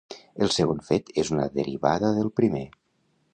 El segon fet és una derivada del primer.